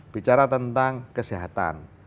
bicara tentang kesehatan